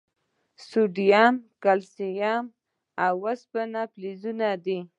سوډیم، کلسیم، او اوسپنه فلزونه دي.